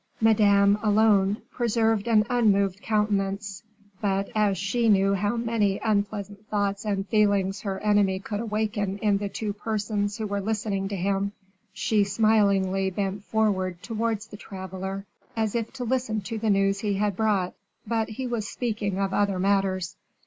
Madame alone preserved an unmoved countenance; but, as she knew how many unpleasant thoughts and feelings her enemy could awaken in the two persons who were listening to him, she smilingly bent forward towards the traveler, as if to listen to the news he had brought but he was speaking of other matters.